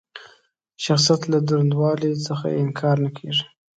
د شخصیت له دروندوالي څخه یې انکار نه کېږي.